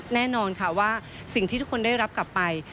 แน่นอนค่ะว่าสิ่งที่ทุกคนได้รับกลับไป